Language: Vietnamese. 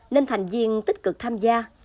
nên thành viên tích cực tham gia